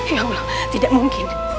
ya allah tidak mungkin